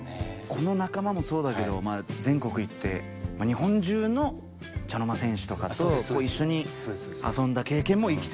この仲間もそうだけど全国行って日本中の茶の間戦士とかと一緒に遊んだ経験も生きてると。